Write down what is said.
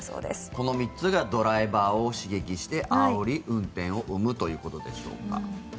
この３つがドライバーを刺激してあおり運転を生むということでしょうか。